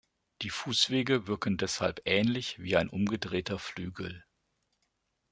Die Fußwege wirken deshalb ähnlich wie ein umgedrehter Flügel.